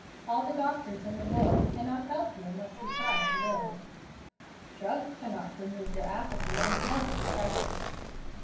All the doctors in the world cannot help you unless you try to live. Drugs cannot remove your apathy and morbid depression."